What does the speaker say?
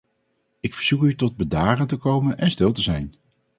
Ik verzoek u tot bedaren te komen en stil te zijn.